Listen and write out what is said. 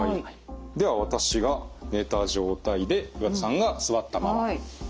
では私が寝た状態で岩田さんが座ったままで。